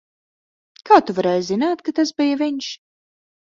Kā tu varēji zināt, ka tas bija viņš?